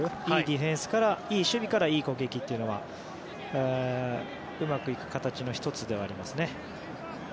いいディフェンス、いい守備からいい攻撃というのはうまくいく形の１つではありますね。